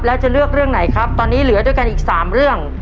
แล้วจะเลือกเรื่องไหนครับตอนนี้เหลือด้วยกันอีก๓เรื่อง